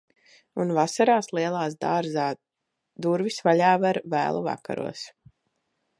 Un vasarās lielās dārzā durvis vaļā ver vēlu vakaros.